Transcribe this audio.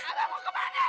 abang mau kemana